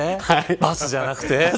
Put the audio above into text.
バスじゃなくて。